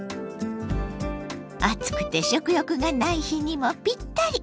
暑くて食欲がない日にもぴったり！